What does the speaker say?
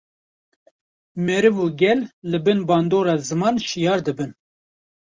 meriv û gel li bin bandora ziman şiyar dibin